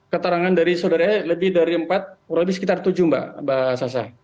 keterangan dari saudari e lebih dari empat lebih sekitar tujuh mbak sasa